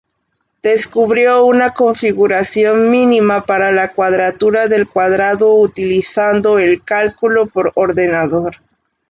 Descubrió una configuración mínima para la cuadratura del cuadrado utilizando el cálculo por ordenador.